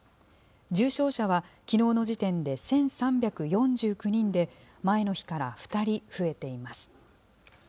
重症者は、きのうの時点で１３４９人で、前の日から２人増えています。